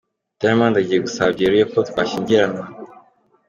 Diamond agiye gusaba byeruye ko twashyingiranwa.